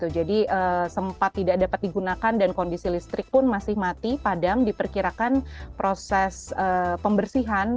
jadi sempat tidak dapat digunakan dan kondisi listrik pun masih mati padam diperkirakan proses pembersihan